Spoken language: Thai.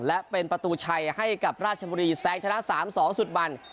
และเป็นประตูชัยให้กับราชบุรีแซงชนะ๓๒สุดบัน